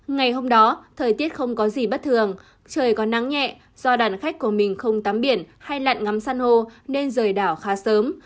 ngày hôm đó thời tiết không có gì bất thường trời có nắng nhẹ do đoàn khách của mình không tắm biển hay lặn ngắm san hô nên rời đảo khá sớm